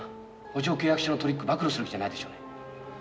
補助契約書のトリック暴露する気じゃないでしょうね？